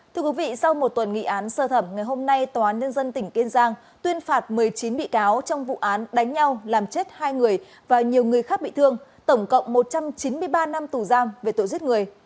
thưa quý vị sau một tuần nghị án sơ thẩm ngày hôm nay tòa án nhân dân tỉnh kiên giang tuyên phạt một mươi chín bị cáo trong vụ án đánh nhau làm chết hai người và nhiều người khác bị thương tổng cộng một trăm chín mươi ba năm tù giam về tội giết người